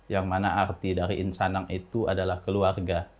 yang mana arti dari insanang itu adalah keluarga